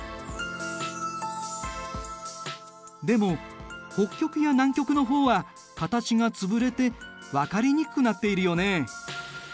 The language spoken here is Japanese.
でも北極や南極の方は形が潰れて分かりにくくなっているよね。